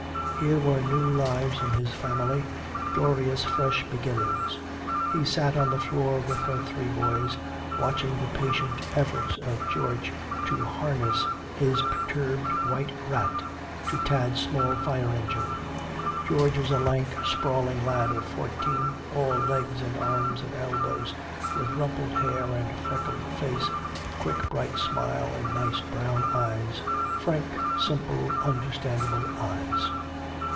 Here were new lives in his family, glorious fresh beginnings. He sat on the floor with her three boys, watching the patient efforts of George to harness his perturbed white rat to Tad's small fire engine. George was a lank sprawling lad of fourteen, all legs and arms and elbows, with rumpled hair and freckled face, a quick bright smile and nice brown eyes frank, simple, understandable eyes.